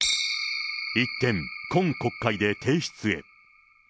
一転、今国会で提出へ。